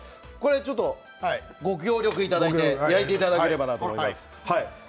ちょっとご協力いただいて焼いていただければと思います。